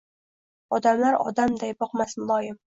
Odamlar odamday boqmas muloym.